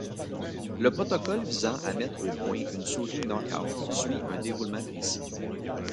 Le protocole visant à mettre au point une souris Knock-out suit un déroulement précis.